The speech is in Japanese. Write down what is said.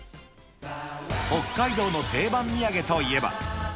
北海道の定番土産といえば。